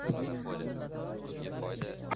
Shaxsiyati ham havas qilgulik bo‘lmagan.